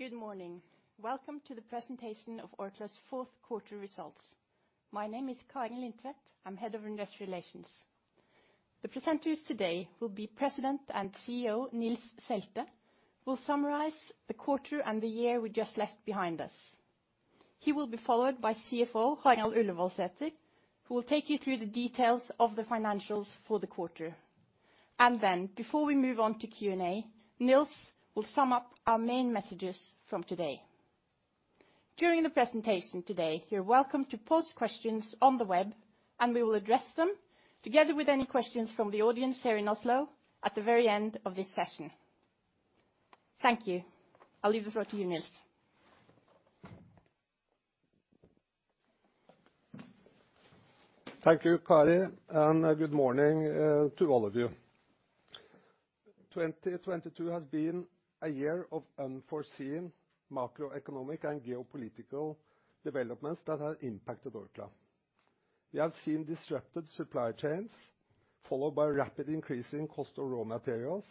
Good morning. Welcome to the presentation of Orkla's Q4 results. My name is Kari Lindtvedt. I'm Head of Investor Relations. The presenters today will be President and CEO, Nils Selte, will summarize the quarter and the year we just left behind us. He will be followed by CFO, Harald Ullevoldsæter, who will take you through the details of the financials for the quarter. Before we move on to Q&A, Nils will sum up our main messages from today. During the presentation today, you're welcome to pose questions on the web, and we will address them together with any questions from the audience here in Oslo at the very end of this session. Thank you. I'll leave the floor to you, Nils. Thank you, Kari, good morning to all of you. 2022 has been a year of unforeseen macroeconomic and geopolitical developments that have impacted Orkla. We have seen disrupted supply chains, followed by rapid increase in cost of raw materials,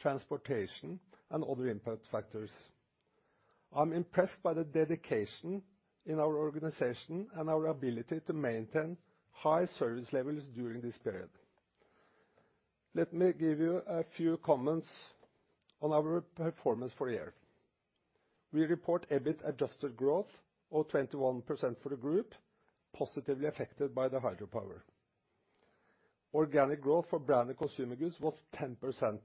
transportation, and other impact factors. I'm impressed by the dedication in our organization and our ability to maintain high service levels during this period. Let me give you a few comments on our performance for the year. We report EBIT adjusted growth of 21% for the group, positively affected by the Hydro Power. Organic growth for Branded Consumer Goods was 10%,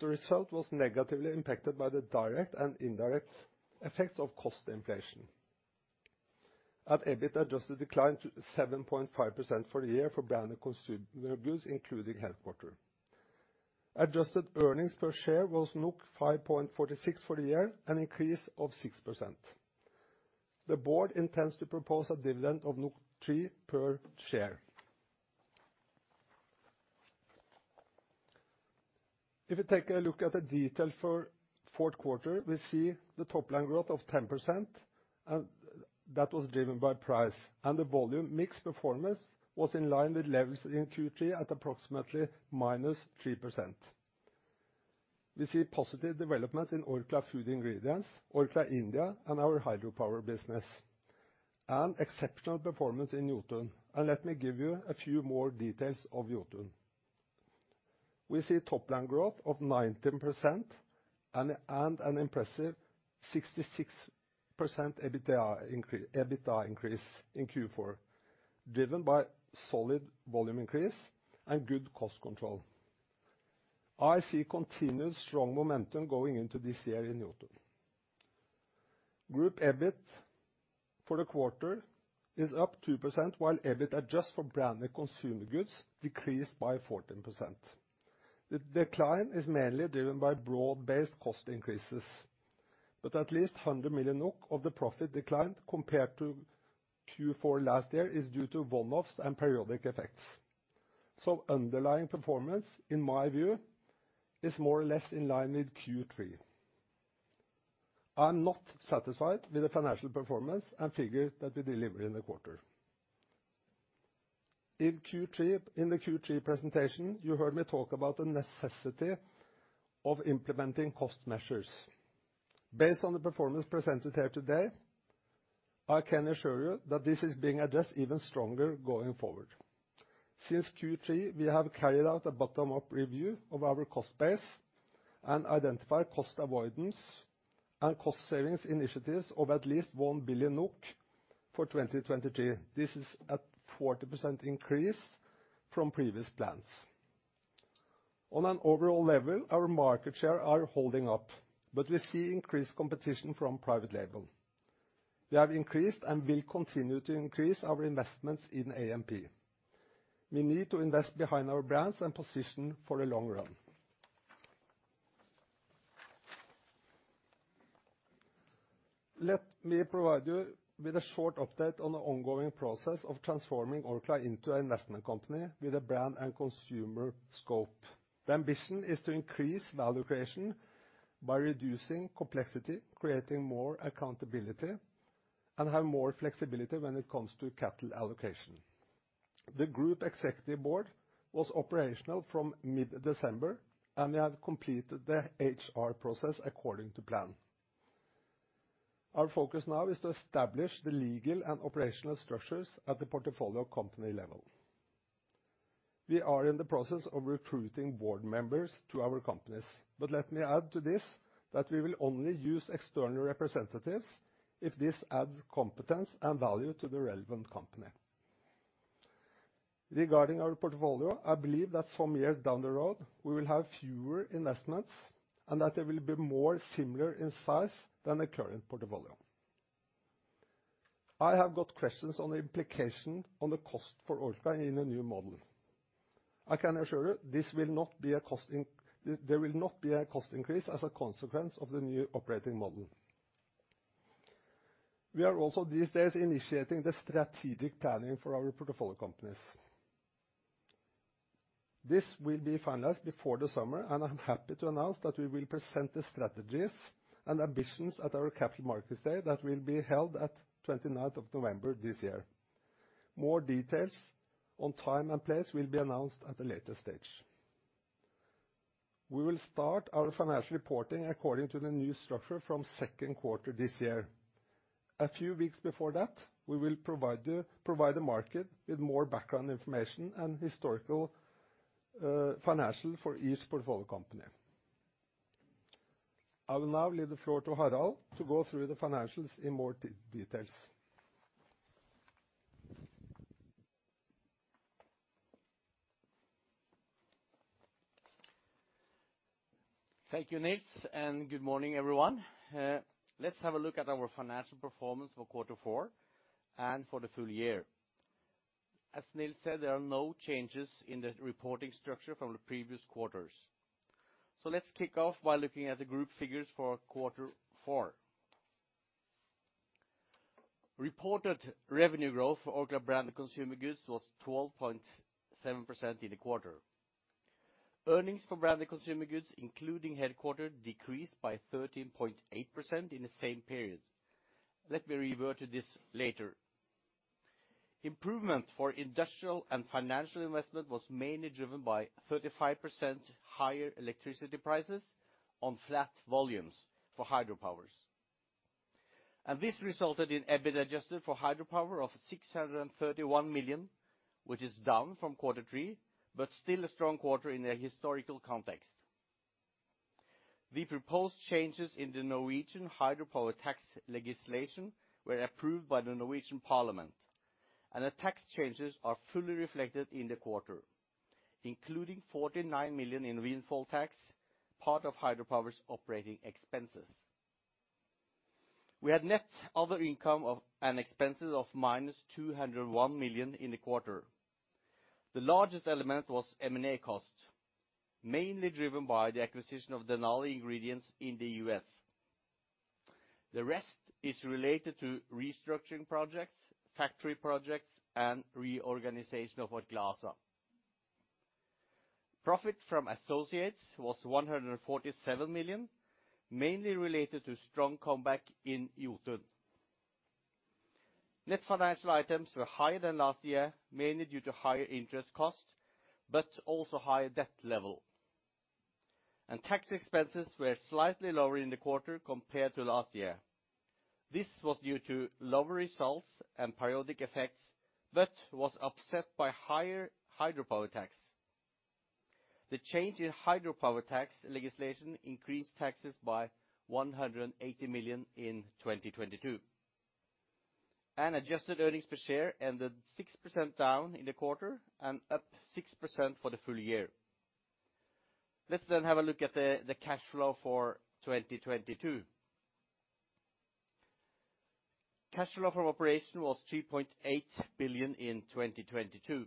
the result was negatively impacted by the direct and indirect effects of cost inflation. EBIT adjusted declined to 7.5% for the year for Branded Consumer Goods, including Headquarter. Adjusted earnings per share was 5.46 for the year, an increase of 6%. The board intends to propose a dividend of 3 per share. If you take a look at the detail for Q4, we see the top line growth of 10%, and that was driven by price. The volume mix performance was in line with levels in Q3 at approximately -3%. We see positive developments in Orkla Food Ingredients, Orkla India, and our hydropower business, and exceptional performance in Jotun. Let me give you a few more details of Jotun. We see top line growth of 19% and an impressive 66% EBITDA increase in Q4, driven by solid volume increase and good cost control. I see continuous strong momentum going into this year in Jotun. Group EBIT for the quarter is up 2%, while EBIT adjust for Branded Consumer Goods decreased by 14%. The decline is mainly driven by broad-based cost increases, but at least 100 million NOK of the profit declined compared to Q4 last year is due to one-offs and periodic effects. Underlying performance, in my view, is more or less in line with Q3. I'm not satisfied with the financial performance and figures that we delivered in the quarter. In Q3, in the Q3 presentation, you heard me talk about the necessity of implementing cost measures. Based on the performance presented here today, I can assure you that this is being addressed even stronger going forward. Since Q3, we have carried out a bottom-up review of our cost base and identified cost avoidance and cost savings initiatives of at least 1 billion NOK for 2023. This is a 40% increase from previous plans. On an overall level, our market share are holding up, but we see increased competition from private label. We have increased and will continue to increase our investments in A&P. We need to invest behind our brands and position for the long run. Let me provide you with a short update on the ongoing process of transforming Orkla into an investment company with a brand and consumer scope. The ambition is to increase value creation by reducing complexity, creating more accountability, and have more flexibility when it comes to capital allocation. The group executive board was operational from mid-December, and we have completed the HR process according to plan. Our focus now is to establish the legal and operational structures at the portfolio company level. We are in the process of recruiting board members to our companies. Let me add to this that we will only use external representatives if this adds competence and value to the relevant company. Regarding our portfolio, I believe that some years down the road, we will have fewer investments and that they will be more similar in size than the current portfolio. I have got questions on the implication on the cost for Orkla in the new model. I can assure you this will not be a cost increase as a consequence of the new operating model. We are also these days initiating the strategic planning for our portfolio companies. This will be finalized before the summer. I'm happy to announce that we will present the strategies and ambitions at our Capital Markets Day that will be held at 29th of November this year. More details on time and place will be announced at a later stage. We will start our financial reporting according to the new structure from Q2 this year. A few weeks before that, we will provide the market with more background information and historical financials for each portfolio company. I will now leave the floor to Harald to go through the financials in more details. Thank you, Nils. Good morning, everyone. Let's have a look at our financial performance for Q4 and for the full year. As Nils said, there are no changes in the reporting structure from the previous quarters. Let's kick off by looking at the group figures for Q4. Reported revenue growth for Orkla Branded Consumer Goods was 12.7% in the quarter. Earnings for Branded Consumer Goods, including headquarter, decreased by 13.8% in the same period. Let me revert to this later. Improvement for industrial and financial investment was mainly driven by 35% higher electricity prices on flat volumes for Hydro Power. This resulted in EBIT adjusted for Hydro Power of 631 million, which is down from Q3, but still a strong quarter in a historical context. The proposed changes in the Norwegian hydropower tax legislation were approved by the Norwegian Parliament, the tax changes are fully reflected in the quarter, including 49 million in windfall tax, part of hydropower's operating expenses. We had net other income of, and expenses of minus 201 million in the quarter. The largest element was M&A costs, mainly driven by the acquisition of Denali Ingredients in the US. The rest is related to restructuring projects, factory projects, and reorganization of Orkla ASA. Profit from associates was 147 million, mainly related to strong comeback in Jotun. Net financial items were higher than last year, mainly due to higher interest costs, but also higher debt level. Tax expenses were slightly lower in the quarter compared to last year. This was due to lower results and periodic effects, but was offset by higher hydropower tax. The change in hydropower tax legislation increased taxes by 108 million in 2022. Adjusted earnings per share ended 6% down in the quarter and up 6% for the full year. Let's have a look at the cash flow for 2022. Cash flow from operation was 3.8 billion in 2022.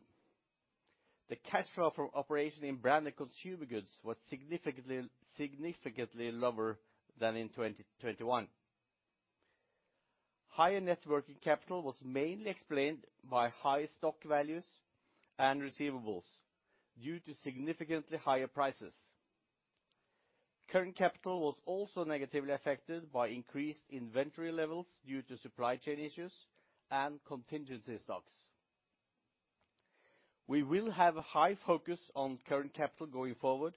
The cash flow from operation in Branded Consumer Goods was significantly lower than in 2021. Higher net working capital was mainly explained by high stock values and receivables due to significantly higher prices. Current capital was also negatively affected by increased inventory levels due to supply chain issues and contingency stocks. We will have a high focus on current capital going forward,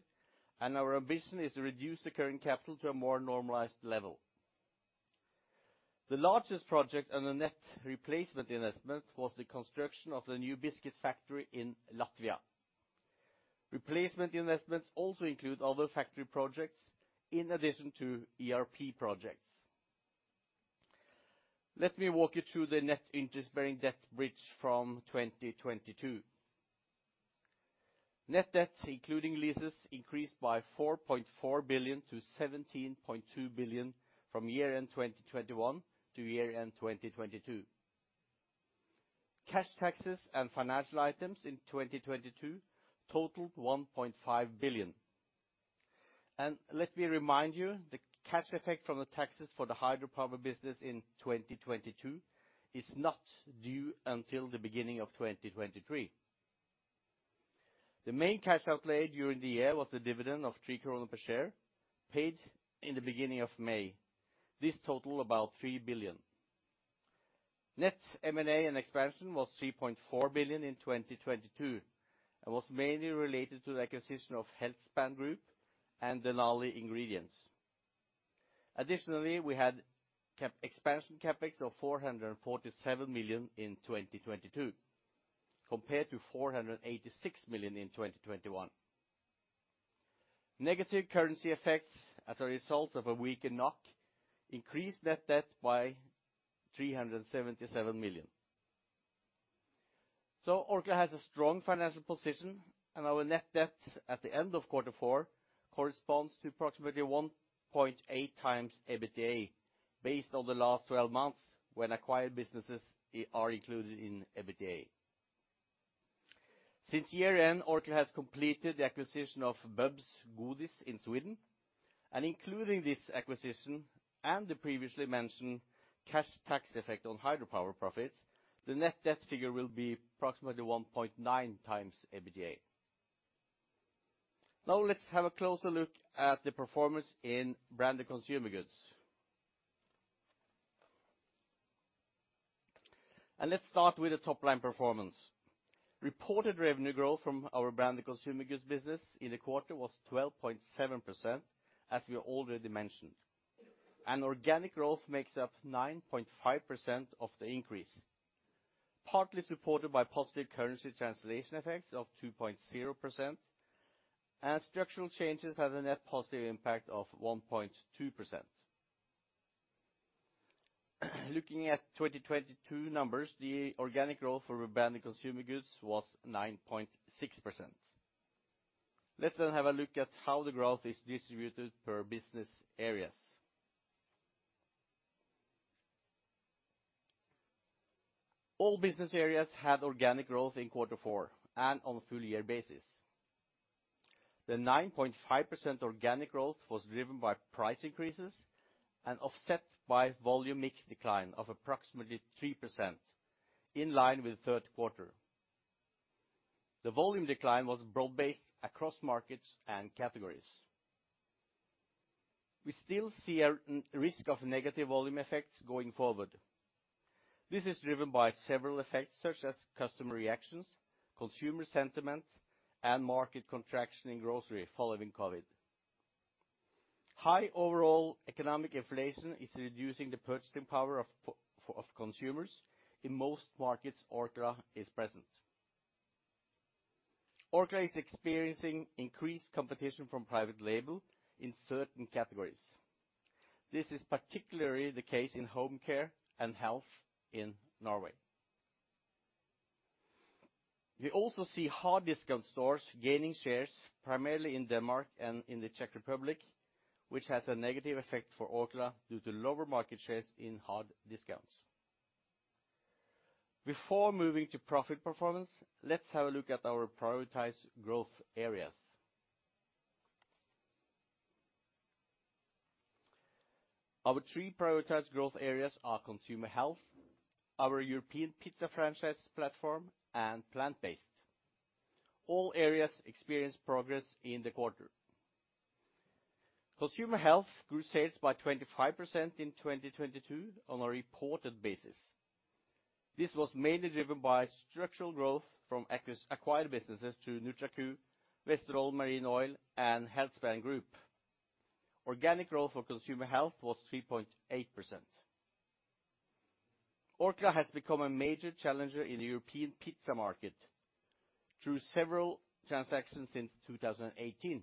and our ambition is to reduce the current capital to a more normalized level. The largest project on the net replacement investment was the construction of the new biscuits factory in Latvia. Replacement investments also include other factory projects in addition to ERP projects. Let me walk you through the net interest-bearing debt bridge from 2022. Net debts, including leases, increased by 4.4 billion-17.2 billion from year-end 2021 to year-end 2022. Cash taxes and financial items in 2022 totaled 1.5 billion. Let me remind you, the cash effect from the taxes for the Hydro Power business in 2022 is not due until the beginning of 2023. The main cash outlay during the year was the dividend of 3 krone per share, paid in the beginning of May. This total about 3 billion. Net M&A and expansion was 3.4 billion in 2022, was mainly related to the acquisition of Healthspan Group and Denali Ingredients. Additionally, we had expansion CapEx of 447 million in 2022, compared to 486 million in 2021. Negative currency effects as a result of a weakened NOK increased net debt by 377 million. Orkla has a strong financial position, and our net debt at the end of Q4 corresponds to approximately 1.8x EBITDA, based on the last 12 months when acquired businesses are included in EBITDA. Since year-end, Orkla has completed the acquisition of Bubs Godis in Sweden. Including this acquisition and the previously mentioned cash tax effect on hydropower profits, the net debt figure will be approximately 1.9x EBITDA. Let's have a closer look at the performance in Branded Consumer Goods. Let's start with the top line performance. Reported revenue growth from our Branded Consumer Goods business in the quarter was 12.7%, as we already mentioned. Organic growth makes up 9.5% of the increase, partly supported by positive currency translation effects of 2.0%, and structural changes have a net positive impact of 1.2%. Looking at 2022 numbers, the organic growth for Branded Consumer Goods was 9.6%. Let's now have a look at how the growth is distributed per business areas. All business areas had organic growth in Q4 and on a full year basis. The 9.5% organic growth was driven by price increases and offset by volume mix decline of approximately 3% in line with Q3. The volume decline was broad-based across markets and categories. We still see a risk of negative volume effects going forward. This is driven by several effects, such as customer reactions, consumer sentiment, and market contraction in grocery following COVID. High overall economic inflation is reducing the purchasing power of consumers in most markets Orkla is present. Orkla is experiencing increased competition from private label in certain categories. This is particularly the case in home care and health in Norway. We also see hard discount stores gaining shares primarily in Denmark and in the Czech Republic, which has a negative effect for Orkla due to lower market shares in hard discounts. Before moving to profit performance, let's have a look at our prioritized growth areas. Our three prioritized growth areas are consumer health, our European Pizza franchise platform, and plant-based. All areas experience progress in the quarter. Consumer health grew sales by 25% in 2022 on a reported basis. This was mainly driven by structural growth from acquired businesses to NutraQ, Vesterålen Marine Olje, and Healthspan Group. Organic growth for consumer health was 3.8%. Orkla has become a major challenger in the European pizza market through several transactions since 2018.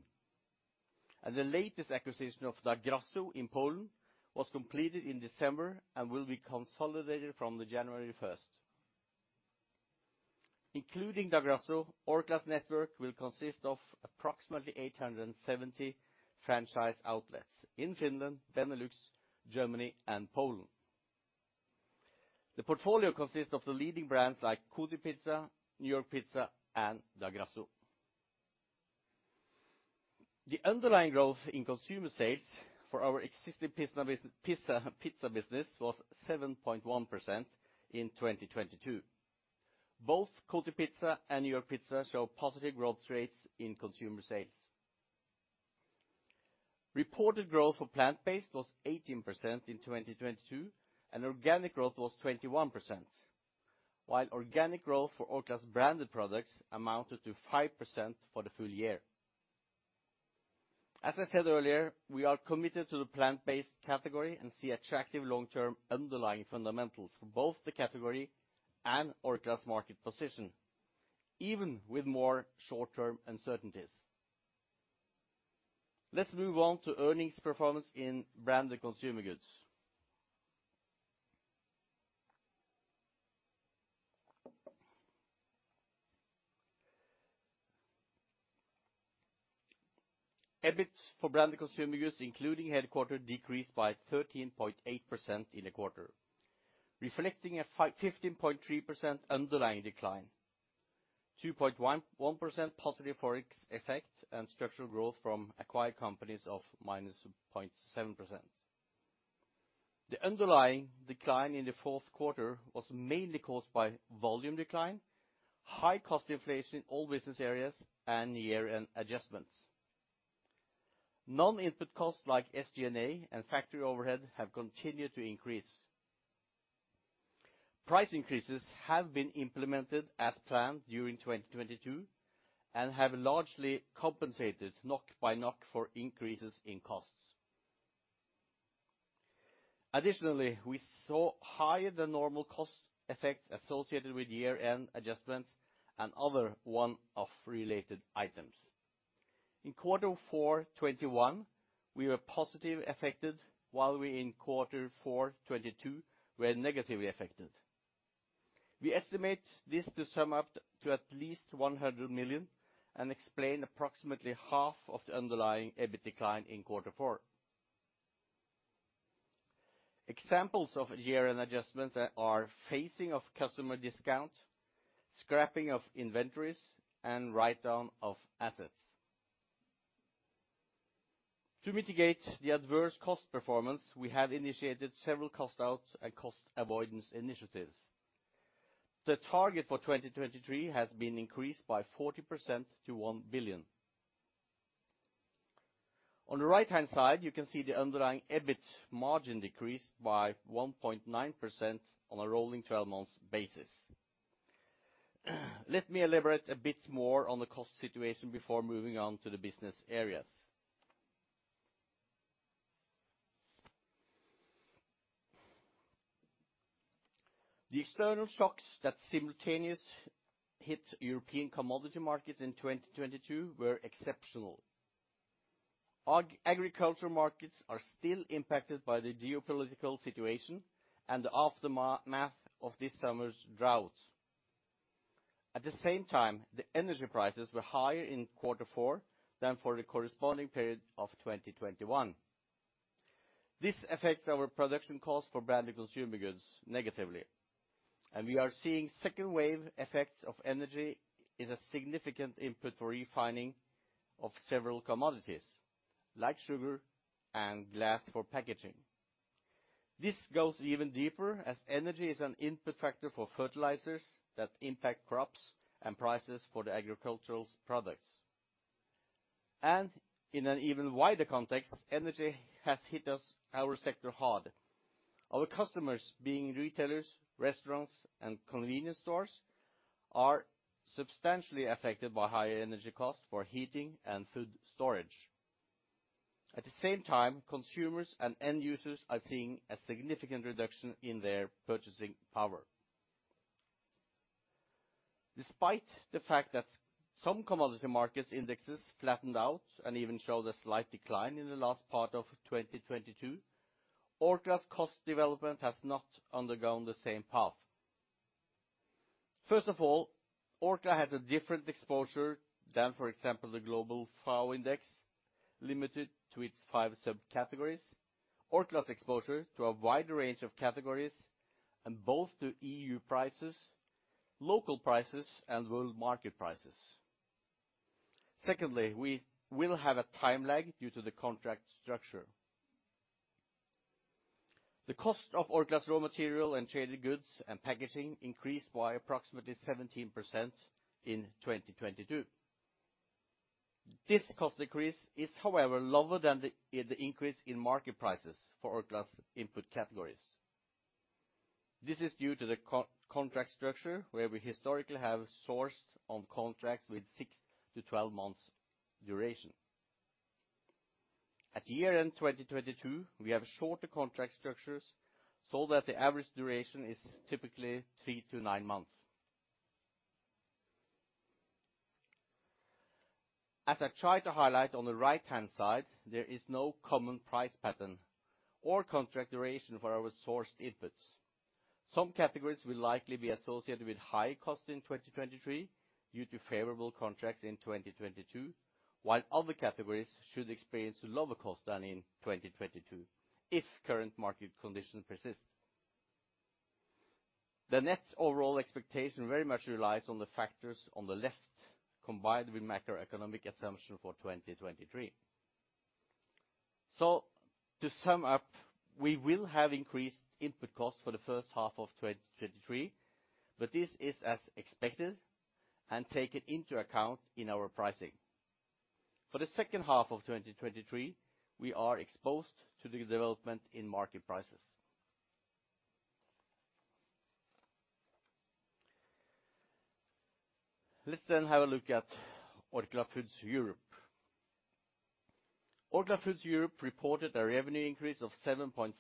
The latest acquisition of Da Grasso in Poland was completed in December and will be consolidated from January 1st. Including Da Grasso, Orkla's network will consist of approximately 870 franchise outlets in Finland, Benelux, Germany, and Poland. The portfolio consists of the leading brands like Kotipizza, New York Pizza, and Da Grasso. The underlying growth in consumer sales for our existing pizza business was 7.1% in 2022. Both Kotipizza and New York Pizza show positive growth rates in consumer sales. Reported growth for plant-based was 18% in 2022, and organic growth was 21%. While organic growth for Orkla's branded products amounted to 5% for the full year. As I said earlier, we are committed to the plant-based category and see attractive long-term underlying fundamentals for both the category and Orkla's market position, even with more short-term uncertainties. Let's move on to earnings performance in Branded Consumer Goods. EBIT for Branded Consumer Goods, including headquarter, decreased by 13.8% in the quarter, reflecting a 15.3% underlying decline, 2.11% positive ForEx effect, and structural growth from acquired companies of -0.7%. The underlying decline in the Q4 was mainly caused by volume decline, high cost inflation in all business areas, and year-end adjustments. Non-input costs like SG&A and factory overhead have continued to increase. Price increases have been implemented as planned during 2022, and have largely compensated NOK by NOK for increases in costs. Additionally, we saw higher than normal cost effects associated with year-end adjustments and other one-off related items. In Q4 2021, we were positive affected, while we in Q4 2022 were negatively affected. We estimate this to sum up to at least 100 million and explain approximately half of the underlying EBIT decline in Q4. Examples of year-end adjustments are phasing of customer discount, scrapping of inventories, and write-down of assets. To mitigate the adverse cost performance, we have initiated several cost out and cost avoidance initiatives. The target for 2023 has been increased by 40% to 1 billion. On the right-hand side, you can see the underlying EBIT margin decreased by 1.9% on a rolling 12 months basis. Let me elaborate a bit more on the cost situation before moving on to the business areas. The external shocks that simultaneous hit European commodity markets in 2022 were exceptional. Agriculture markets are still impacted by the geopolitical situation and the aftermath of this summer's drought. At the same time, the energy prices were higher in Q4 than for the corresponding period of 2021. This affects our production costs for Branded Consumer Goods negatively, and we are seeing second wave effects of energy is a significant input for refining of several commodities, like sugar and glass for packaging. This goes even deeper as energy is an input factor for fertilizers that impact crops and prices for the agricultural products. In an even wider context, energy has hit us, our sector hard. Our customers, being retailers, restaurants, and convenience stores, are substantially affected by higher energy costs for heating and food storage. At the same time, consumers and end users are seeing a significant reduction in their purchasing power. Despite the fact that some commodity markets indexes flattened out and even showed a slight decline in the last part of 2022, Orkla's cost development has not undergone the same path. First of all, Orkla has a different exposure than, for example, the global FAO index, limited to its five subcategories. Orkla's exposure to a wider range of categories and both to EU prices, local prices, and world market prices. Secondly, we will have a time lag due to the contract structure. The cost of Orkla's raw material and traded goods and packaging increased by approximately 17% in 2022. This cost increase is, however, lower than the increase in market prices for Orkla's input categories. This is due to the contract structure where we historically have sourced on contracts with six-12 months duration. At year-end 2022, we have shorter contract structures so that the average duration is typically three-nine months. As I tried to highlight on the right-hand side, there is no common price pattern or contract duration for our sourced inputs. Some categories will likely be associated with higher cost in 2023 due to favorable contracts in 2022, while other categories should experience lower cost than in 2022 if current market conditions persist. The net overall expectation very much relies on the factors on the left, combined with macroeconomic assumption for 2023. To sum up, we will have increased input costs for the first half of 2023, but this is as expected and taken into account in our pricing. For the second half of 2023, we are exposed to the development in market prices. Let's have a look at Orkla Foods Europe. Orkla Foods Europe reported a revenue increase of 7.5%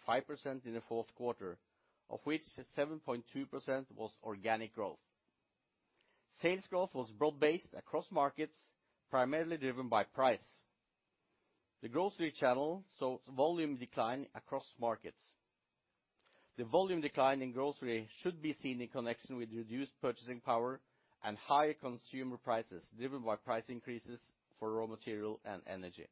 in the Q4, of which 7.2% was organic growth. Sales growth was broad-based across markets, primarily driven by price. The grocery channel saw volume decline across markets. The volume decline in grocery should be seen in connection with reduced purchasing power and higher consumer prices driven by price increases for raw material and energy.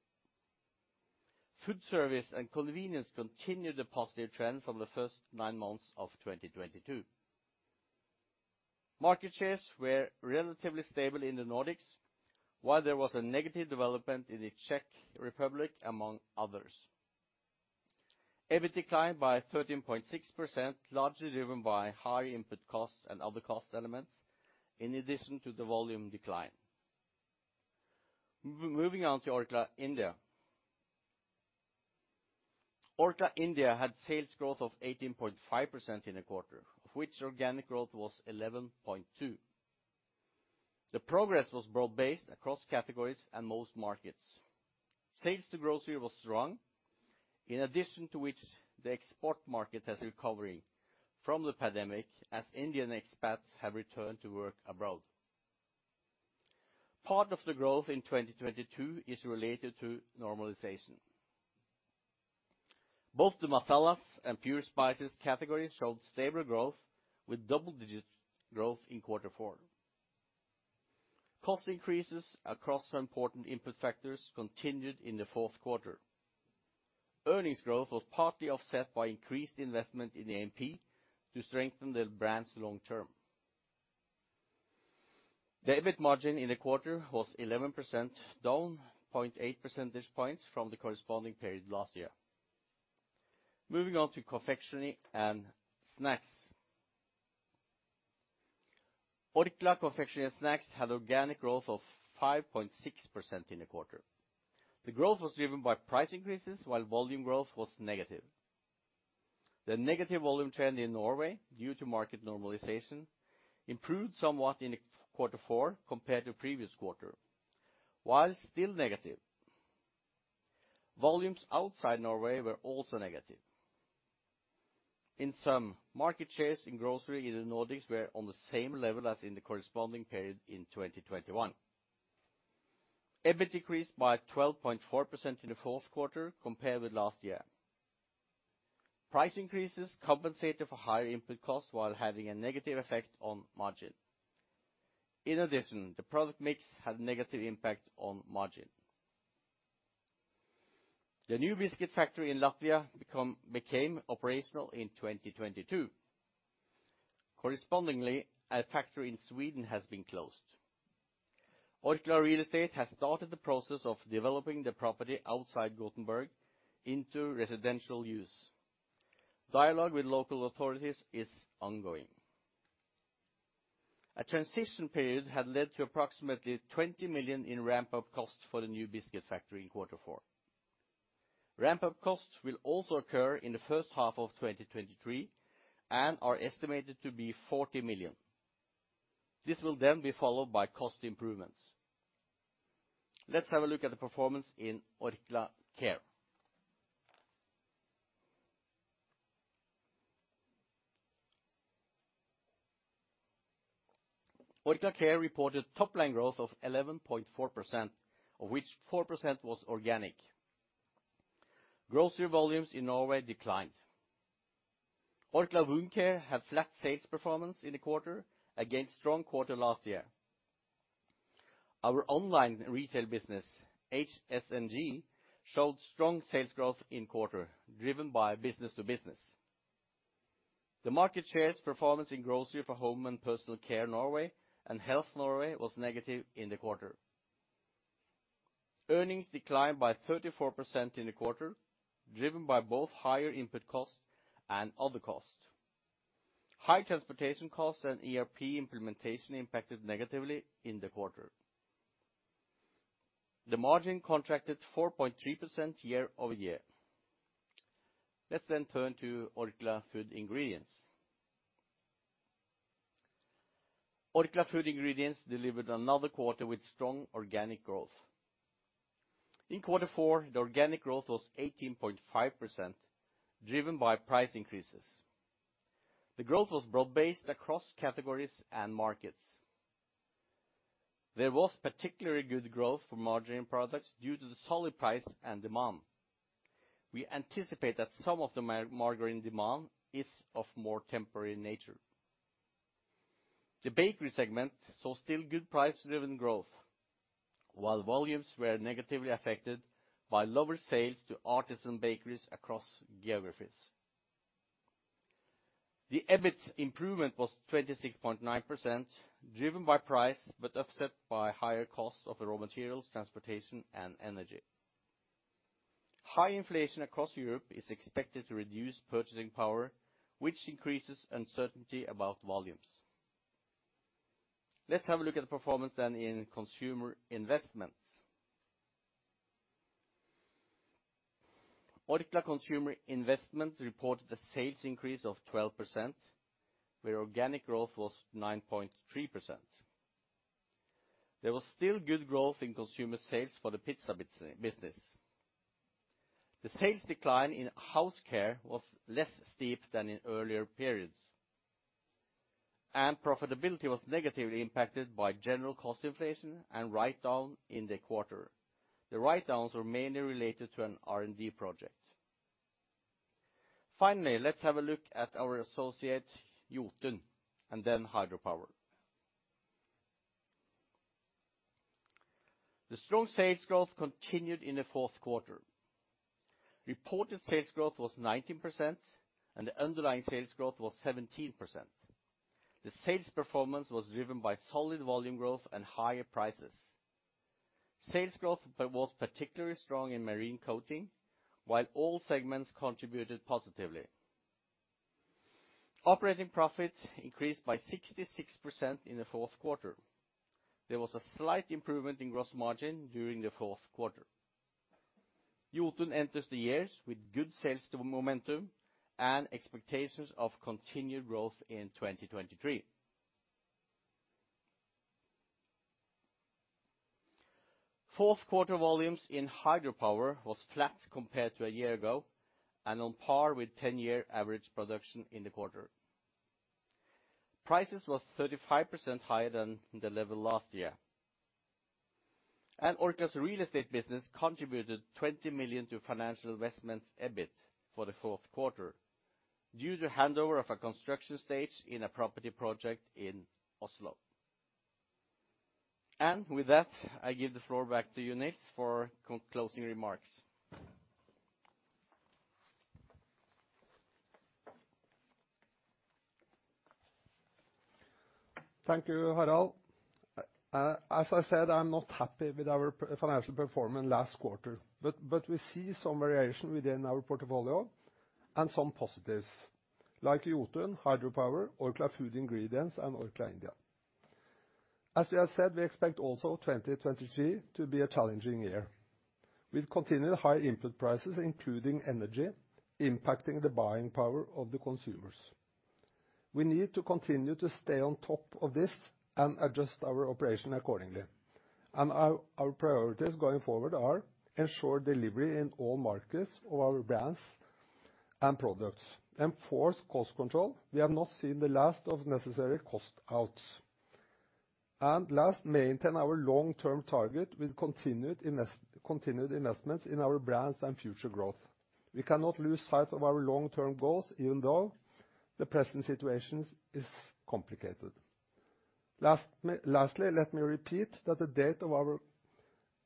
Food service and convenience continued the positive trend from the first nine months of 2022. Market shares were relatively stable in the Nordics, while there was a negative development in the Czech Republic, among others. EBIT declined by 13.6%, largely driven by higher input costs and other cost elements in addition to the volume decline. Moving on to Orkla India. Orkla India had sales growth of 18.5% in a quarter, of which organic growth was 11.2%. The progress was broad-based across categories and most markets. Sales to grocery was strong, in addition to which the export market has recovering from the pandemic as Indian expats have returned to work abroad. Part of the growth in 2022 is related to normalization. Both the masalas and pure spices categories showed stable growth with double-digit growth in Q4. Cost increases across some important input factors continued in the Q4. Earnings growth was partly offset by increased investment in the A&P to strengthen the brands long term. The EBIT margin in the quarter was 11%, down 0.8% points from the corresponding period last year. Moving on to confectionery and snacks. Orkla Confectionery & Snacks had organic growth of 5.6% in the quarter. The growth was driven by price increases while volume growth was negative. The negative volume trend in Norway due to market normalization improved somewhat in Q4 compared to previous quarter. While still negative, volumes outside Norway were also negative. In sum, market shares in grocery in the Nordics were on the same level as in the corresponding period in 2021. EBIT decreased by 12.4% in the Q4 compared with last year. Price increases compensated for higher input costs while having a negative effect on margin. In addition, the product mix had negative impact on margin. The new biscuit factory in Latvia became operational in 2022. Correspondingly, a factory in Sweden has been closed. Orkla Real Estate has started the process of developing the property outside Gothenburg into residential use. Dialogue with local authorities is ongoing. A transition period had led to approximately 20 million in ramp-up costs for the new biscuit factory in Q4. Ramp-up costs will also occur in the first half of 2023, and are estimated to be 40 million. This will then be followed by cost improvements. Let's have a look at the performance in Orkla Care. Orkla Care reported top line growth of 11.4%, of which 4% was organic. Grocery volumes in Norway declined. Orkla Home Care had flat sales performance in the quarter against strong quarter last year. Our online retail business, HSNG, showed strong sales growth in quarter, driven by business to business. The market shares performance in grocery for Home and Personal Care Norway and Health Norway was negative in the quarter. Earnings declined by 34% in the quarter, driven by both higher input costs and other costs. High transportation costs and ERP implementation impacted negatively in the quarter. The margin contracted 4.3% year-over-year. Let's turn to Orkla Food Ingredients. Orkla Food Ingredients delivered another quarter with strong organic growth. In Q4, the organic growth was 18.5%, driven by price increases. The growth was broad-based across categories and markets. There was particularly good growth for margarine products due to the solid price and demand. We anticipate that some of the margarine demand is of more temporary nature. The bakery segment saw still good price-driven growth, while volumes were negatively affected by lower sales to artisan bakeries across geographies. The EBIT improvement was 26.9% driven by price, but offset by higher costs of the raw materials, transportation, and energy. High inflation across Europe is expected to reduce purchasing power, which increases uncertainty about volumes. Let's have a look at the performance then in consumer investments. Orkla Consumer Investments reported a sales increase of 12%, where organic growth was 9.3%. There was still good growth in consumer sales for the pizza business. The sales decline in house care was less steep than in earlier periods, and profitability was negatively impacted by general cost inflation and write-down in the quarter. The write-downs were mainly related to an R&D project. Finally, let's have a look at our associate, Jotun, and then Hydro Power. The strong sales growth continued in the Q4. Reported sales growth was 19%, and the underlying sales growth was 17%. The sales performance was driven by solid volume growth and higher prices. Sales growth was particularly strong in marine coating, while all segments contributed positively. Operating profits increased by 66% in the Q4. There was a slight improvement in gross margin during the Q4. Jotun enters the years with good sales to momentum and expectations of continued growth in 2023. Q4 volumes in Hydro Power was flat compared to a year ago, and on par with ten-year average production in the quarter. Prices was 35% higher than the level last year. Orkla's real estate business contributed 20 million to financial investments EBIT for the Q4 due to handover of a construction stage in a property project in Oslo. With that, I give the floor back to you, Nils, for closing remarks. Thank you, Harald. As I said, I'm not happy with our financial performance last quarter, but we see some variation within our portfolio and some positives like Jotun, Hydro Power, Orkla Food Ingredients, and Orkla India. As we have said, we expect also 2023 to be a challenging year with continued high input prices, including energy impacting the buying power of the consumers. We need to continue to stay on top of this and adjust our operation accordingly. Our priorities going forward are ensure delivery in all markets of our brands and products. Enforce cost control. We have not seen the last of necessary cost outs. Last, maintain our long-term target with continued investments in our brands and future growth. We cannot lose sight of our long-term goals, even though the present situation is complicated. lastly, let me repeat that the date of our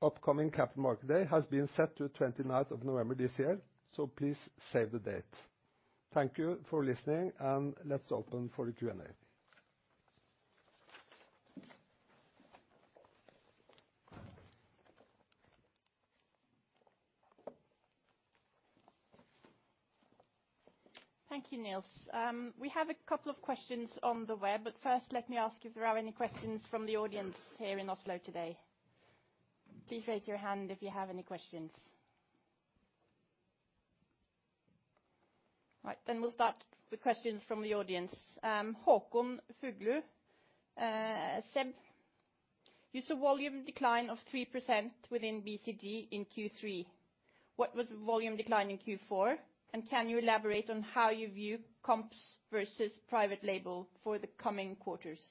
upcoming Capital Markets Day has been set to 29th of November this year. Please save the date. Thank you for listening. Let's open for the Q&A. Thank you, Nils. We have a couple of questions on the web, but first let me ask if there are any questions from the audience here in Oslo today. Please raise your hand if you have any questions. Right, then we'll start the questions from the audience. Håkon Fuglår said, "You saw volume decline of 3% within BCG in Q3. What was volume decline in Q4? And can you elaborate on how you view comps versus private label for the coming quarters?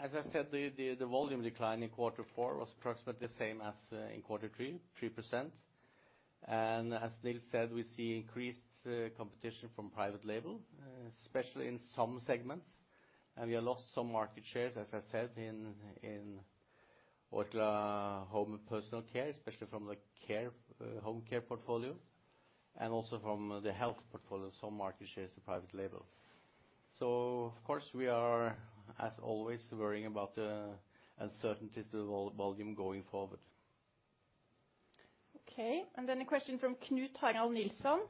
As I said, the volume decline in Q4 was approximately the same as, in Q3, 3%. As Nils said, we see increased competition from private label, especially in some segments. We have lost some market shares, as I said, in Orkla Home and Personal Care, especially from the care, home care portfolio and also from the health portfolio, some market shares to private label. Of course we are, as always, worrying about the uncertainties of volume going forward. Okay, a question from Knut Harald Nilsson.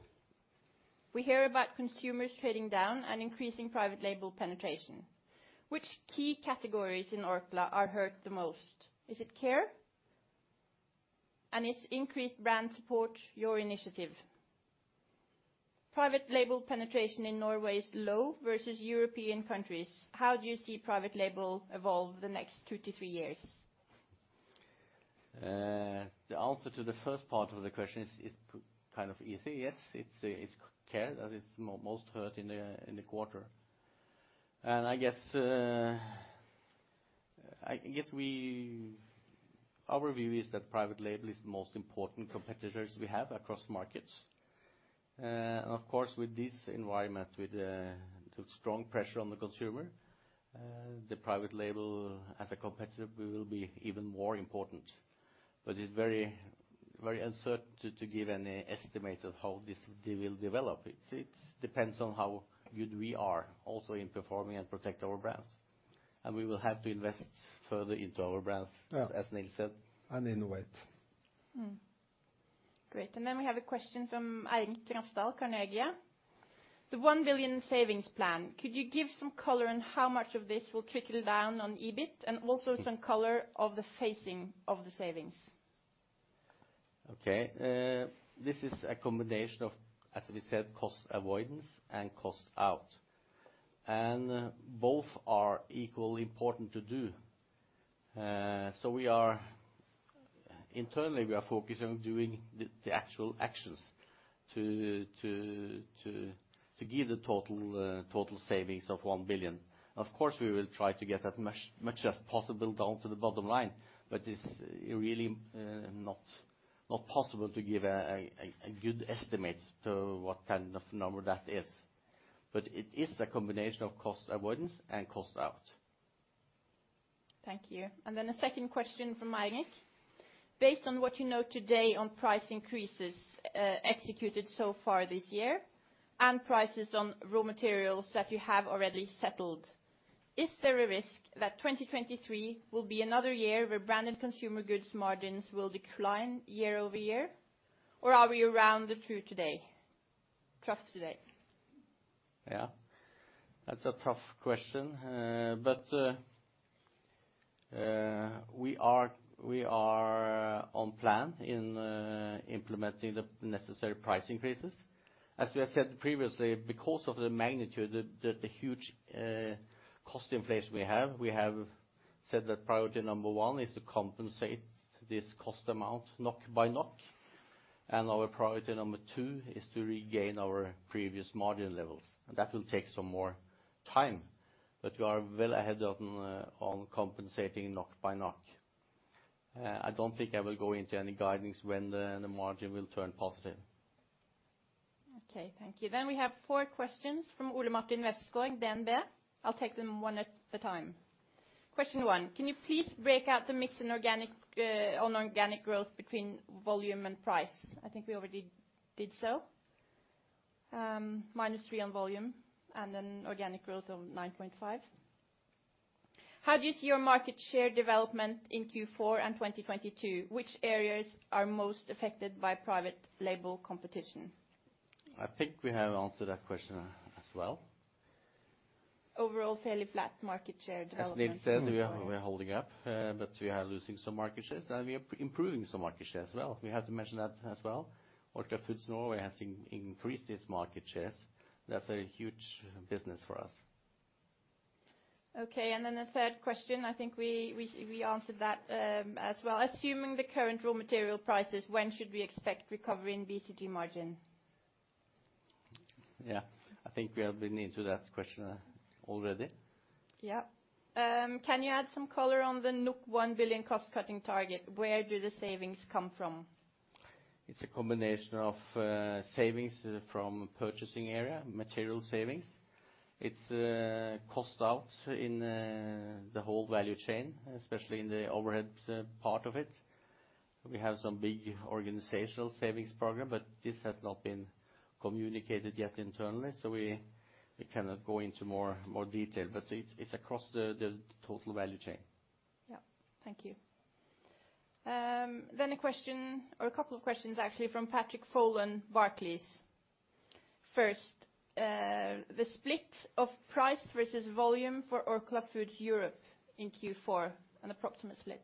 "We hear about consumers trading down and increasing private label penetration. Which key categories in Orkla are hurt the most? Is it Care? Is increased brand support your initiative? Private label penetration in Norway is low versus European countries. How do you see private label evolve the next two to three years? The answer to the first part of the question is kind of easy. Yes, it's Orkla Care that is most hurt in the quarter. I guess our view is that private label is the most important competitors we have across markets. Of course, with this environment, with the strong pressure on the consumer, the private label as a competitor will be even more important. It's very, very uncertain to give any estimate of how this, they will develop. It depends on how good we are also in performing and protect our brands. We will have to invest further into our brands. Yeah as Nils said. Innovate. Great. Then we have a question from Eirik Rafdal, Carnegie. "The 1 billion savings plan, could you give some color on how much of this will trickle down on EBIT, and also some color of the phasing of the savings? Okay. This is a combination of, as we said, cost avoidance and cost out. Both are equally important to do. Internally, we are focused on doing the actual actions to give the total savings of 1 billion. Of course, we will try to get as much as possible down to the bottom line. It's really not possible to give a good estimate to what kind of number that is. It is a combination of cost avoidance and cost out. Thank you. Then a second question from Eirik. "Based on what you know today on price increases, executed so far this year and prices on raw materials that you have already settled, is there a risk that 2023 will be another year where Branded Consumer Goods margins will decline year-over-year, or are we around the truth today? Yeah. That's a tough question. We are on plan in implementing the necessary price increases. As we have said previously, because of the magnitude, the huge cost inflation we have, we have said that priority number one is to compensate this cost amount NOK by NOK. Our priority number two is to regain our previous margin levels, and that will take some more time, but we are well ahead on compensating NOK by NOK. I don't think I will go into any guidances when the margin will turn positive. Thank you. We have fourth questions from Ole Martin Westgaard, DNB. I'll take them one at a time. Question one, can you please break out the mix in organic on organic growth between volume and price? I think we already did so. -3% on volume and then organic growth of 9.5%. How do you see your market share development in Q4 and 2022? Which areas are most affected by private label competition? I think we have answered that question as well. Overall, fairly flat market share development. As Nils said, we are holding up. We are losing some market shares, and we are improving some market share as well. We have to mention that as well. Orkla Foods Norway has increased its market shares. That's a huge business for us. Okay, then the third question, I think we answered that as well. Assuming the current raw material prices, when should we expect recovery in BCG margin? Yeah. I think we have been into that question already. Yeah. Can you add some color on the 1 billion cost-cutting target? Where do the savings come from? It's a combination of savings from purchasing area, material savings. It's cost out in the whole value chain, especially in the overhead part of it. We have some big organizational savings program. This has not been communicated yet internally, so we cannot go into more detail. It's across the total value chain. Yeah. Thank you. A question or a couple of questions actually from Patrick Folan, Barclays. First, the split of price versus volume for Orkla Foods Europe in Q4, an approximate split.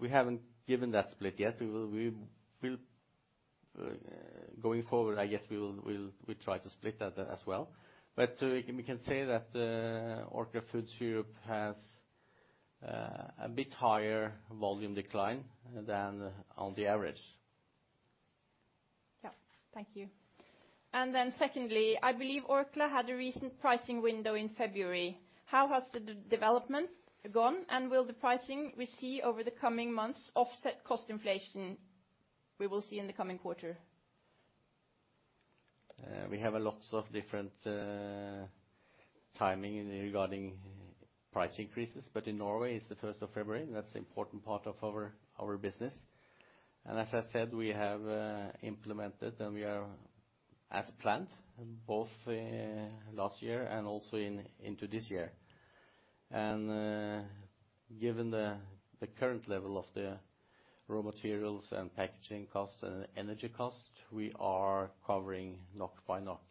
We haven't given that split yet. We will, we will going forward, I guess we try to split that as well. We can say that Orkla Foods Europe has a bit higher volume decline than on the average. Yeah. Thank you. Secondly, I believe Orkla had a recent pricing window in February. How has the de-development gone, and will the pricing we see over the coming months offset cost inflation we will see in the coming quarter? We have a lots of different timing regarding price increases, but in Norway it's the 1sr of February. That's important part of our business. As I said, we have implemented and we are as planned, both last year and also into this year. Given the current level of the raw materials and packaging costs and energy costs, we are covering NOK by NOK.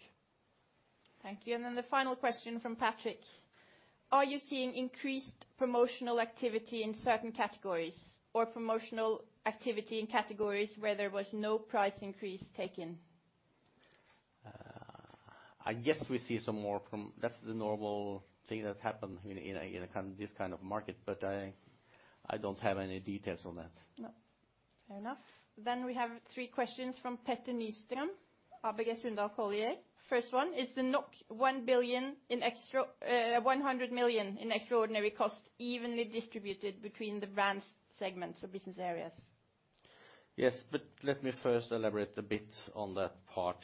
Thank you. The final question from Patrick: Are you seeing increased promotional activity in certain categories or promotional activity in categories where there was no price increase taken? I guess we see some more. That's the normal thing that happened in this kind of market. I don't have any details on that. No. Fair enough. We have three questions from Petter Nystrøm, ABG Sundal Collier. First one, is the 1 billion in extra, 100 million in extraordinary costs evenly distributed between the brand's segments or business areas? Yes, let me first elaborate a bit on that part.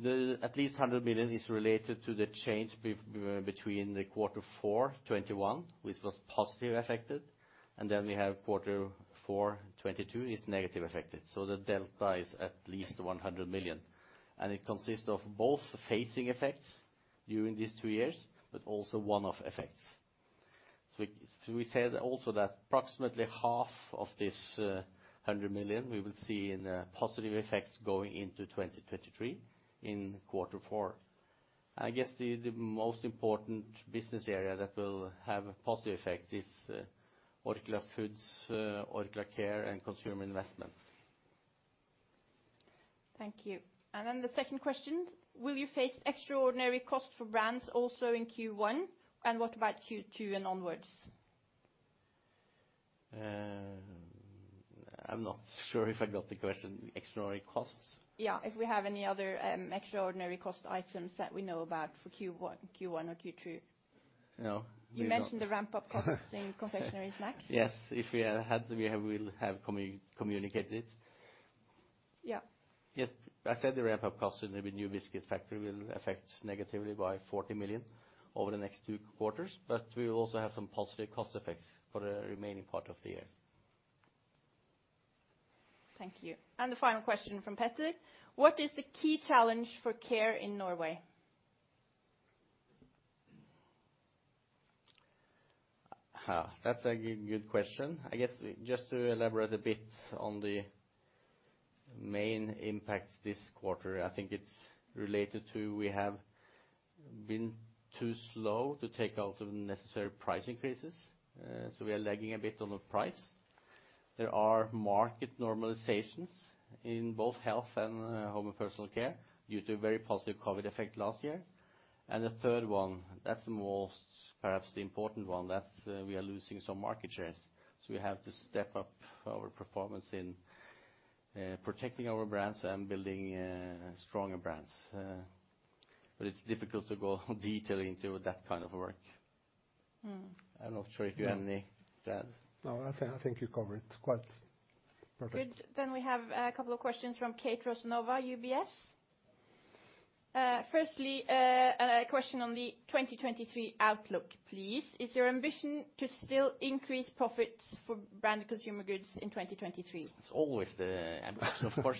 The at least 100 million is related to the change between the Q4 2021, which was positive affected, and then we have Q4 2022 is negative affected. The delta is at least 100 million, and it consists of both facing effects during these two years, but also one-off effects. We said also that approximately half of this, 100 million we will see in positive effects going into 2023 in Q4. I guess the most important business area that will have a positive effect is Orkla Foods, Orkla Care and Consumer Investments. Thank you. The second question, will you face extraordinary costs for brands also in Q1, and what about Q2 and onwards? I'm not sure if I got the question, extraordinary costs? If we have any other, extraordinary cost items that we know about for Q1 or Q2. No. We don't. You mentioned the ramp-up costs in Confectionery & Snacks. Yes. If we had, we have, will have communicated. Yeah. Yes. I said the ramp-up cost in the new biscuit factory will affect negatively by 40 million over the next two quarters, but we will also have some positive cost effects for the remaining part of the year. Thank you. The final question from Petter: What is the key challenge for Care in Norway? Ha. That's a good question. I guess just to elaborate a bit on the main impacts this quarter, I think it's related to we have been too slow to take out the necessary price increases, so we are lagging a bit on the price. There are market normalizations in both health and home and personal care due to a very positive COVID effect last year. The third one, that's the most perhaps the important one, that's, we are losing some market shares. We have to step up our performance in protecting our brands and building stronger brands. It's difficult to go detail into that kind of work. Mm. I'm not sure if you have any to add. No, I think you covered it quite perfect. Good. We have a couple of questions from Kate Rusanova, UBS. Firstly, a question on the 2023 outlook, please. Is your ambition to still increase profits for Branded Consumer Goods in 2023? It's always the ambition, of course.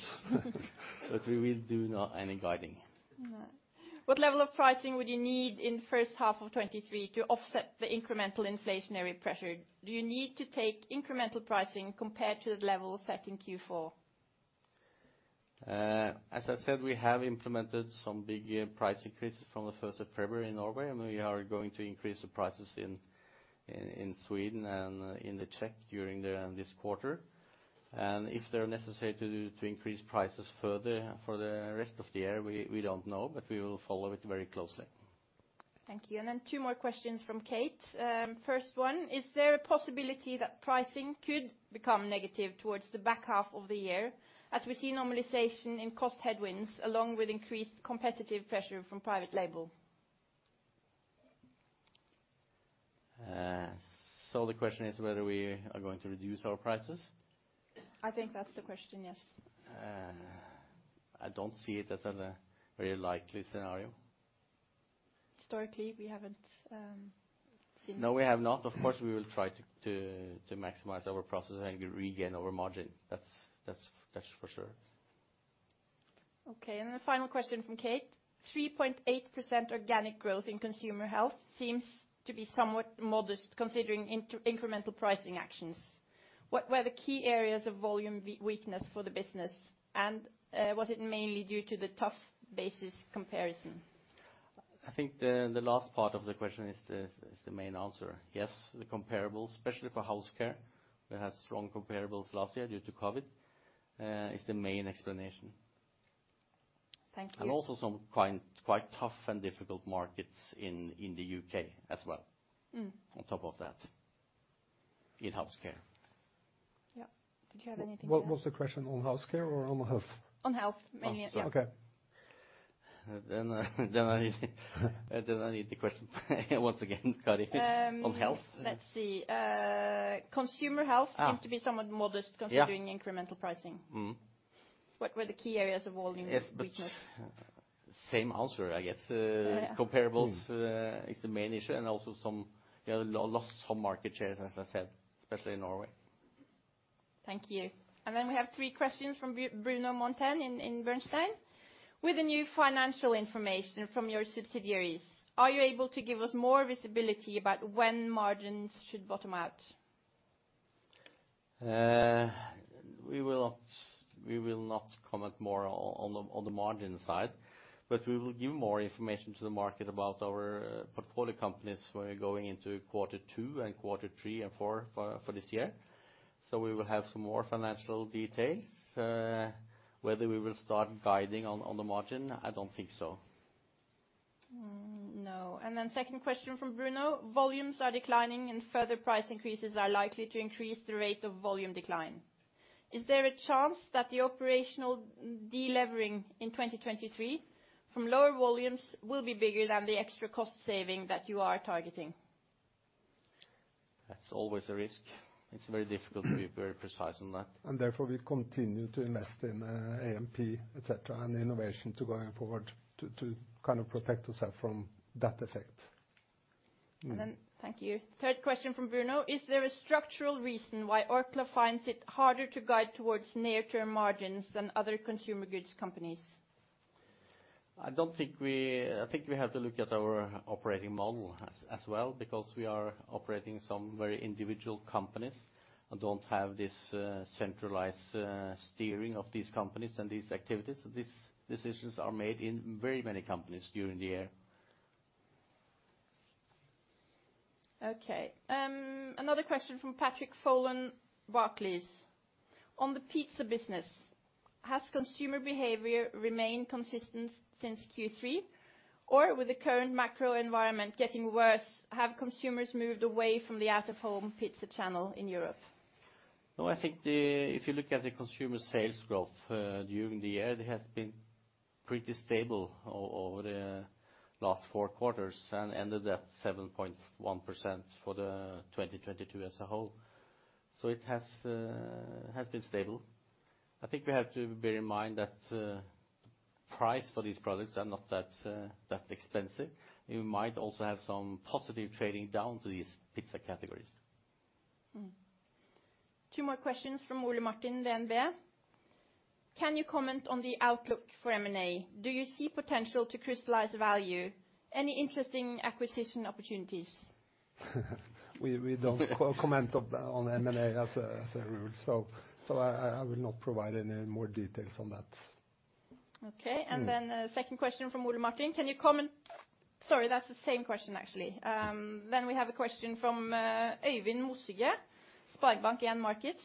We will do not any guiding. No. What level of pricing would you need in first half of 2023 to offset the incremental inflationary pressure? Do you need to take incremental pricing compared to the level set in Q4? As I said, we have implemented some big price increases from the first of February in Norway. We are going to increase the prices in Sweden and in the Czech during this quarter. If they're necessary to increase prices further for the rest of the year, we don't know, but we will follow it very closely. Thank you. Then two more questions from Kate. First one, is there a possibility that pricing could become negative towards the back half of the year as we see normalization in cost headwinds, along with increased competitive pressure from private label? The question is whether we are going to reduce our prices? I think that's the question, yes. I don't see it as a very likely scenario. Historically, we haven't seen it. No, we have not. Of course, we will try to maximize our prices and regain our margin. That's for sure. Okay. The final question from Kate. 3.8% organic growth in consumer health seems to be somewhat modest considering inter-incremental pricing actions. What were the key areas of volume weakness for the business, and was it mainly due to the tough basis comparison? I think the last part of the question is the, is the main answer. Yes, the comparables, especially for health care, we had strong comparables last year due to COVID, is the main explanation. Thank you. also some quite tough and difficult markets in the UK as well. Mm. On top of that. In health care. Yeah. Did you have anything to add? What was the question, on health care or on health? On health mainly. Yeah. Oh, okay. I need the question once again, Kari. Um. On health. Let's see. consumer health Ah. seems to be somewhat modest Yeah. considering incremental pricing. Mm-hmm. What were the key areas of volume weakness? Same answer, I guess. Comparables is the main issue, and also some lost some market shares, as I said, especially in Norway. Thank you. We have three questions from Bruno Monteyne in Bernstein. With the new financial information from your subsidiaries, are you able to give us more visibility about when margins should bottom out? We will not comment more on the margin side, we will give more information to the market about our portfolio companies when we're going into Q2 and Q3 and Q4 for this year. We will have some more financial details. Whether we will start guiding on the margin, I don't think so. No. Second question from Bruno. Volumes are declining, and further price increases are likely to increase the rate of volume decline. Is there a chance that the operational de-levering in 2023 from lower volumes will be bigger than the extra cost saving that you are targeting? That's always a risk. It's very difficult to be very precise on that. Therefore, we continue to invest in A&P, et cetera, and innovation going forward to kind of protect ourselves from that effect. Thank you. Third question from Bruno. Is there a structural reason why Orkla finds it harder to guide towards near-term margins than other consumer goods companies? I think we have to look at our operating model as well, because we are operating some very individual companies and don't have this centralized steering of these companies and these activities. These decisions are made in very many companies during the year. Okay. Another question from Patrick Folan, Barclays. On the pizza business, has consumer behavior remained consistent since Q3? Or with the current macro environment getting worse, have consumers moved away from the out-of-home pizza channel in Europe? I think the, if you look at the consumer sales growth during the year, it has been pretty stable over the last four quarters and ended at 7.1% for the 2022 as a whole. It has been stable. I think we have to bear in mind that price for these products are not that expensive. We might also have some positive trading down to these pizza categories. Two more questions from Ole Martin, DNB. Can you comment on the outlook for M&A? Do you see potential to crystallize value? Any interesting acquisition opportunities? We don't co-comment on M&A as a rule. I will not provide any more details on that. Okay. Mm. Second question from Ole Martin, can you comment? Sorry, that's the same question, actually. We have a question from Øyvind Mossige, SpareBank 1 Markets.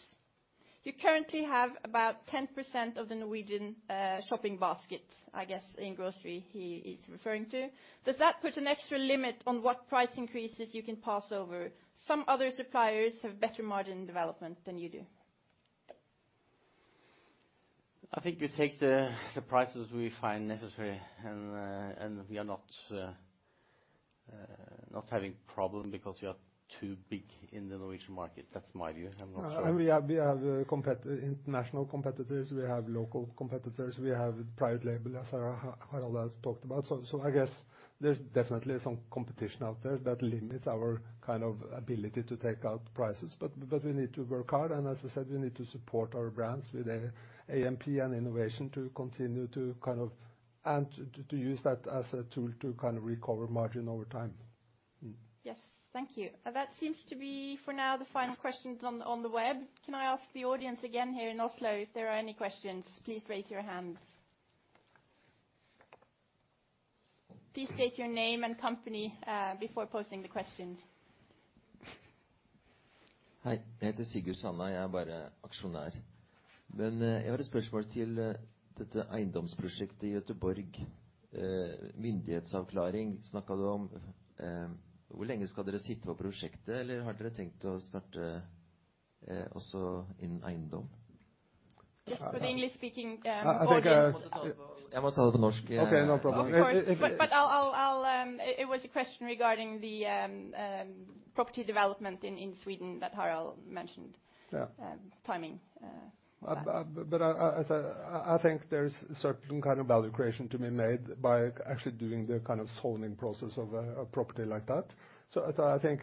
You currently have about 10% of the Norwegian shopping basket, I guess, in grocery he is referring to. Does that put an extra limit on what price increases you can pass over? Some other suppliers have better margin development than you do. I think we take the prices we find necessary, and we are not. Not having problem because you are too big in the Norwegian market. That's my view. I'm not sure. We have international competitors, we have local competitors, we have private label, as Harald has talked about. I guess there's definitely some competition out there that limits our kind of ability to take out prices. We need to work hard, and as I said, we need to support our brands with a A&P and innovation to use that as a tool to kind of recover margin over time. Mm. Yes. Thank you. That seems to be, for now, the final questions on the web. Can I ask the audience again here in Oslo if there are any questions, please raise your hands? Please state your name and company before posing the questions. Hi. Yeah. Just for the English speaking audience. Of course. It was a question regarding the property development in Sweden that Harald mentioned. Yeah. timing. As I think there's certain kind of value creation to be made by actually doing the kind of zoning process of a property like that. I think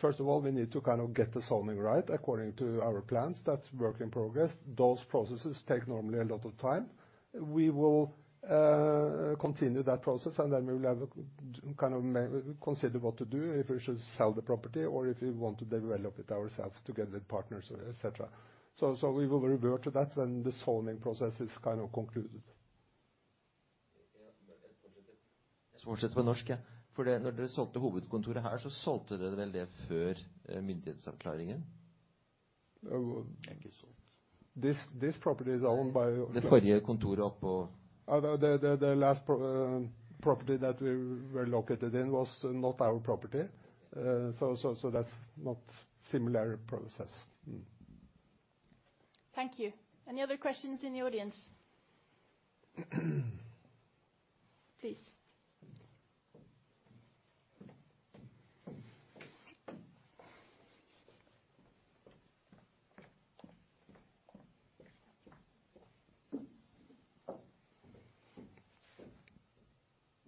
first of all, we need to kind of get the zoning right according to our plans. That's work in progress. Those processes take normally a lot of time. We will continue that process, then we'll have kind of maybe consider what to do, if we should sell the property or if we want to develop it ourselves together with partners, et cetera. So we will revert to that when the zoning process is kind of concluded. This property is owned by the last property that we were located in was not our property. So that's not similar process. Thank you. Any other questions in the audience? Please.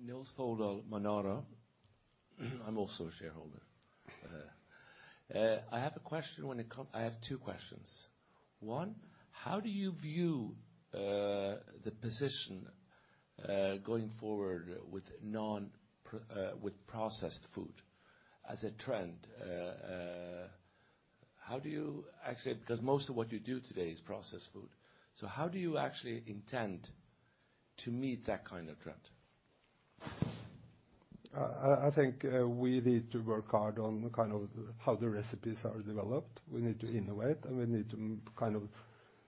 Nils Foldal, Manara. I'm also a shareholder. I have two questions. One, how do you view the position going forward with processed food as a trend? Actually, because most of what you do today is processed food. How do you actually intend to meet that kind of trend? I think we need to work hard on kind of how the recipes are developed. We need to innovate, and we need to kind of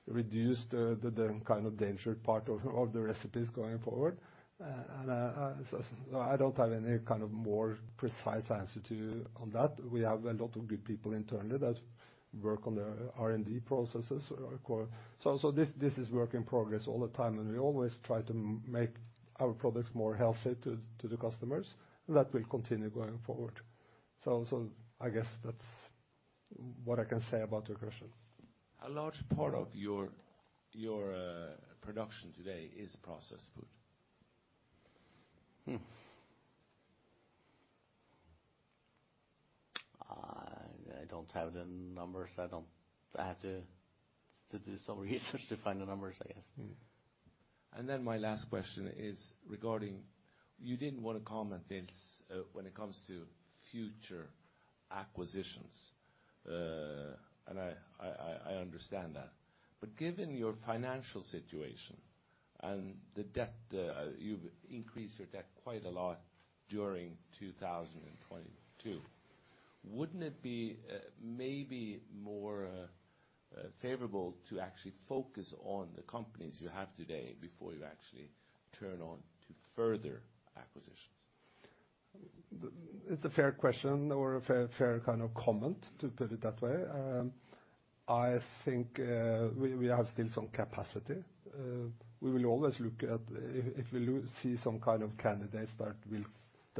reduce the kind of danger part of the recipes going forward. I don't have any kind of more precise answer to on that. We have a lot of good people internally that work on the R&D processes or. This is work in progress all the time, and we always try to make our products more healthy to the customers. That will continue going forward. I guess that's what I can say about your question. A large part of your production today is processed food. I don't have the numbers. I have to do some research to find the numbers, I guess. My last question is regarding, you didn't want to comment this when it comes to future acquisitions. I understand that. Given your financial situation and the debt, you've increased your debt quite a lot during 2022. Wouldn't it be maybe more favorable to actually focus on the companies you have today before you actually turn on to further acquisitions? It's a fair question or a fair kind of comment, to put it that way. I think we have still some capacity. We will always look at if we see some kind of candidates that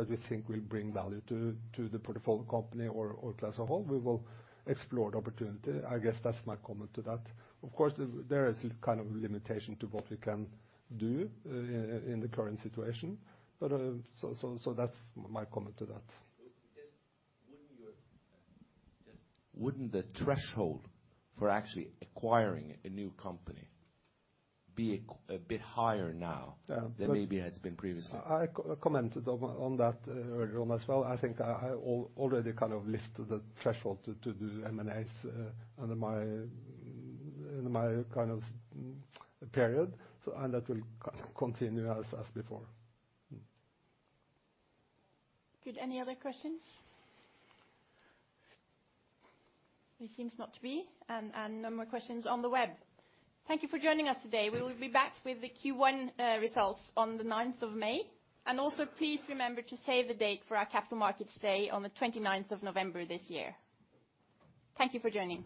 we think will bring value to the portfolio company or Orkla as of whole, we will explore the opportunity. I guess that's my comment to that. Of course, there is kind of a limitation to what we can do in the current situation. That's my comment to that. Just wouldn't the threshold for actually acquiring a new company be a bit higher now? Yeah. than maybe it's been previously? I commented on that earlier on as well. I think I already kind of lifted the threshold to do M&As under my kind of period, so. That will continue as before. Mm. Good. Any other questions? There seems not to be. No more questions on the web. Thank you for joining us today. We will be back with the Q1 results on the ninth of May. Also please remember to save the date for our Capital Markets Day on the 29th of November this year. Thank you for joining.